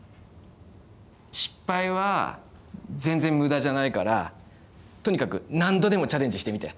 失敗は全然無駄じゃないからとにかく何度でもチャレンジしてみて。